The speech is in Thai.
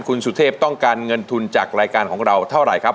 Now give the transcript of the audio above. คุณสุเทพต้องการเงินทุนจากรายการของเราเท่าไหร่ครับ